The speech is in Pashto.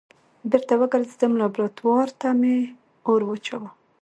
بېرته وګرځېدم لابراتوار ته مې اور واچوه.